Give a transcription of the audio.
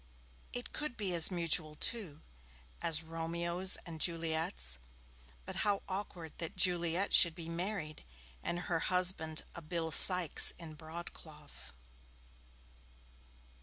It could be as mutual, too, as Romeo's and Juliet's. But how awkward that Juliet should be married and her husband a Bill Sykes in broad cloth!